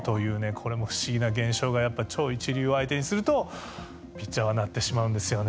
これも不思議な現象がやっぱ超一流を相手にするとピッチャーはなってしまうんですよね。